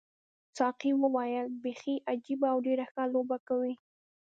ساقي وویل بیخي عجیبه او ډېره ښه لوبه کوي.